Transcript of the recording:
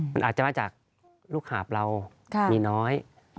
มันอาจจะมาจากลูกหาบเรามีน้อย